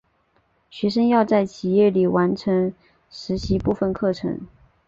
学生要在企业里来完成实习部分课程。